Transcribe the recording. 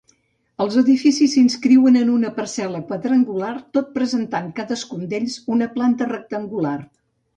Els edificis s'inscriuen en una parcel·la quadrangular, tot presentant cadascun d'ells una planta rectangular.